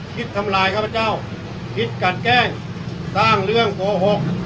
ทำลายข้าพเจ้าคิดกัดแกล้งสร้างเรื่องโกหก